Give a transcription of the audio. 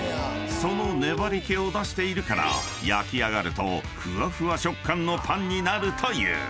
［その粘り気を出しているから焼き上がるとふわふわ食感のパンになるという］